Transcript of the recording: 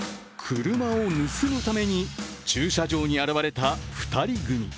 車を盗むために駐車場に現れた２人組。